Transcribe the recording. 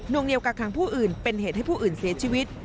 วงเหนียวกาคังผู้อื่นเป็นเหตุให้ผู้อื่นเสียชีวิต